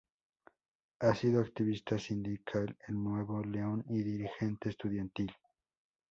Ha sido activista sindical el Nuevo León y dirigente estudiantil.